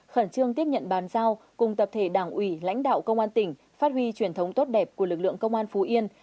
khẩn trương tiếp nhận bàn giao cùng tập thể đảng ủy lãnh đạo công an tỉnh phát huy truyền thống tốt đẹp của lực lượng công an phú yên